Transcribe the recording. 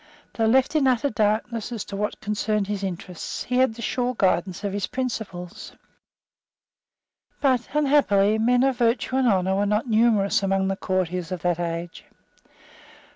Though left in utter darkness as to what concerned his interests, he had the sure guidance of his principles. But, unhappily, men of virtue and honour were not numerous among the courtiers of that age.